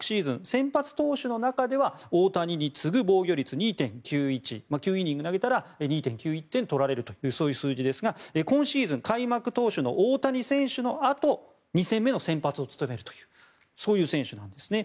先発投手の中では大谷に次ぐ防御率２．９１９イニング投げたら２．９１点取られるという数字ですが今シーズン開幕投手の大谷選手のあとに２戦目の先発を務めるという選手なんですね。